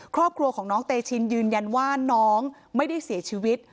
ครอบครัวของน้องเตชินยืนยันว่าน้องไม่ได้เสียชีวิต